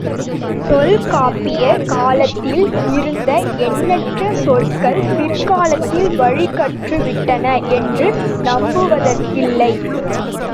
தொல்காப்பியர் காலத்தில் இருந்த எண்ணற்ற சொற்கள் பிற்காலத்தில் வழக்கற்றுவிட்டன என்று நம்புவதற்கில்லை.